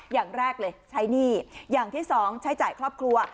อย่างแรกเลยใช้หนี้อย่างที่สองใช้จ่ายครอบครัว